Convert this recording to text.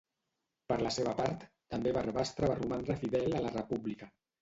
Per la seva part, també Barbastre va romandre fidel a la República.